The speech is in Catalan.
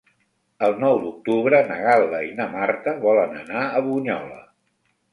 El nou d'octubre na Gal·la i na Marta volen anar a Bunyola.